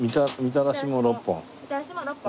みたらしも６本。